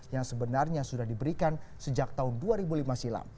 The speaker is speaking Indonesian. yang sebenarnya sudah diberikan sejak tahun dua ribu lima silam